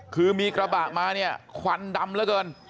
คือมีกระบะมาเนี่ยควันดำเหลือเกิน